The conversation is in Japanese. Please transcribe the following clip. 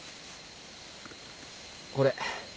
これ。